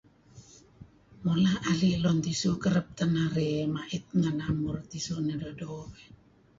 mula ali lun techu kereb teh narih maet ranga naam muru' techu do do eh